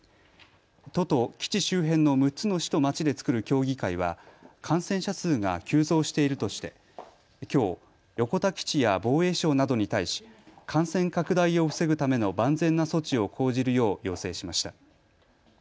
都と基地周辺の６つの市と町で作る協議会は感染者数が急増しているとして、きょう横田基地や防衛省などに対し感染拡大を防ぐための万全な措置を講じるよう要請しました。